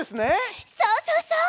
そうそうそう！